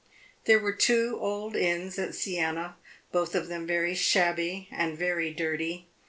There were two old inns at Siena, both of them very shabby and very dirty.